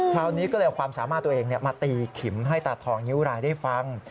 คราวนี้ก็เลยเอาความสามารถตัวเองมาตีขิมให้ตาทองนิ้วรายได้ฟัง